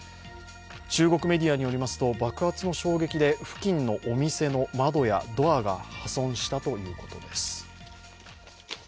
中国メディアによりますと爆発の衝撃で、付近のお店の窓やドアが破損したということです。